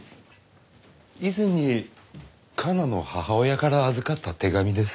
以前に加奈の母親から預かった手紙です。